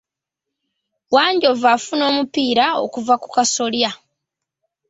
Wanjovu afuna omupiira okuva ku kasolya.